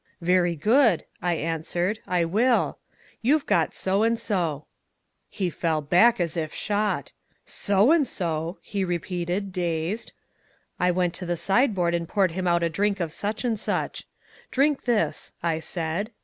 'Very good,' I answered, 'I will. You've got so and so.' He fell back as if shot. 'So and so!' he repeated, dazed. I went to the sideboard and poured him out a drink of such and such. 'Drink this,' I said.